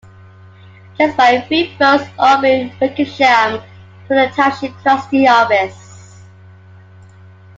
Just by Three Votes Orvil Wickersham took the Township Trustee office.